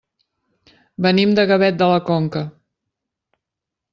Venim de Gavet de la Conca.